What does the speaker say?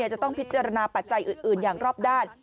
จะต้องพิจารณาปัจจัยอื่นอย่างรอบด้าน